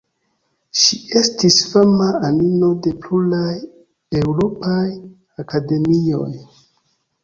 Ŝi estis fama anino de pluraj eŭropaj akademioj.